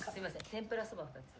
天ぷらそば２つ。